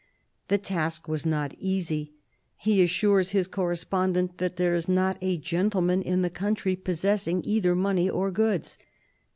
The task was not easy: he assures his correspondent that there is not a gentleman in the country possessing either money or goods.